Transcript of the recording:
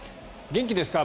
元気ですよ。